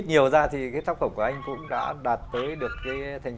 ít nhiều ra thì cái tác phẩm của anh cũng đã đạt tới được cái thành phố này